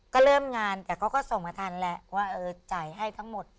ก็เริ่มงานแต่เขาก็ส่งมาทันแหละว่าเออจ่ายให้ทั้งหมด